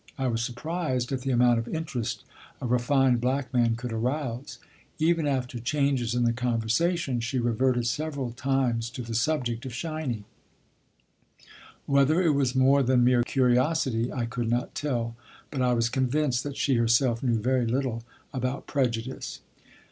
I was surprised at the amount of interest a refined black man could arouse. Even after changes in the conversation she reverted several times to the subject of "Shiny." Whether it was more than mere curiosity I could not tell, but I was convinced that she herself knew very little about prejudice.